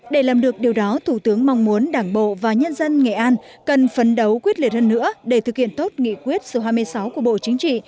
để làm được điều đó thủ tướng mong muốn đảng bộ và nhân dân nghệ an cần phấn đấu quyết liệt hơn nữa để thực hiện tốt nghị quyết số hai mươi sáu của bộ chính trị